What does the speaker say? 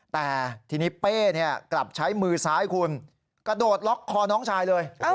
แต่ทีนี้เป้กลับใช้มือซ้ายคุณกระโดดล็อกคอน้องชายเลย